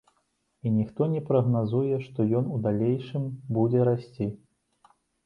І ніхто не прагназуе, што ён у далейшым будзе расці.